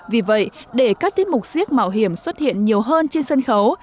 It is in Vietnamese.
vì vậy để các tiết mục siếc mạo hiểm xuất hiện nhiều hơn trên sân khấu